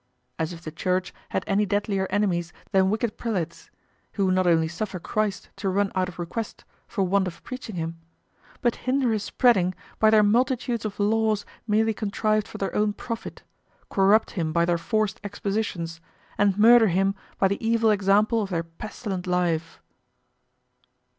As if the Church had any deadlier enemies than wicked prelates, who not only suffer Christ to run out of request for want of preaching him, but hinder his spreading by their multitudes of laws merely contrived for their own profit, corrupt him by their forced expositions, and murder him by the evil example of their pestilent life.